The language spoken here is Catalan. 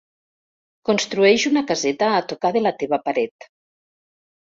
Construeix una caseta a tocar de la teva paret.